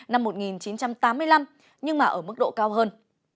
năm một nghìn chín trăm sáu mươi năm một nghìn chín trăm tám mươi năm nhưng ở mức độ cao hơn